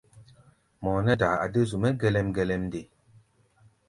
Mɔʼɔ nɛ́ daa a dé zu-mɛ́ gelɛm-gelɛm nde?